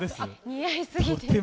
似合いすぎて。